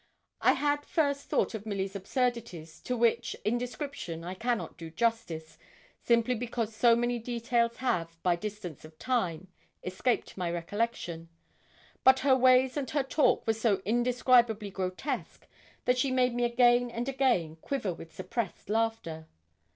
I had first thought of Milly's absurdities, to which, in description, I cannot do justice, simply because so many details have, by distance of time, escaped my recollection. But her ways and her talk were so indescribably grotesque that she made me again and again quiver with suppressed laughter.